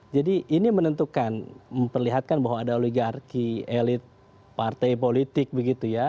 jadi ini menentukan memperlihatkan bahwa ada oligarki elit partai politik begitu ya